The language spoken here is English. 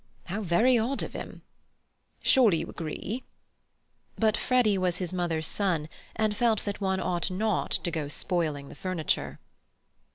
"How very odd of him!" "Surely you agree?" But Freddy was his mother's son and felt that one ought not to go on spoiling the furniture.